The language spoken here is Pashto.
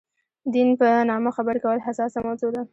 دین په نامه خبرې کول حساسه موضوع ده.